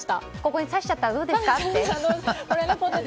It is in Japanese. ここに刺しちゃったらどうですかって？